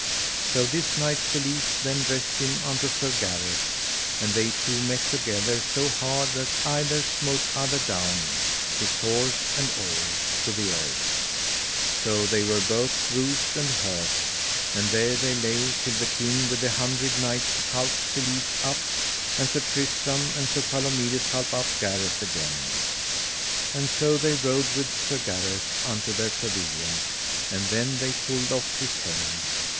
So this knight Selises then dressed him unto Sir Gareth, and they two met together so hard that either smote other down, his horse and all, to the earth, so they were both bruised and hurt; and there they lay till the King with the Hundred Knights halp Selises up, and Sir Tristram and Sir Palomides halp up Gareth again. And so they rode with Sir Gareth unto their pavilions, and then they pulled off his helm.